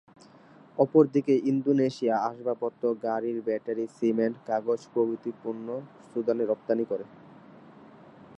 অপরদিকে, ইন্দোনেশিয়া, আসবাবপত্র, গাড়ির ব্যাটারি, সিমেন্ট, কাগজ প্রভৃতি পণ্য সুদানে রপ্তানি করে।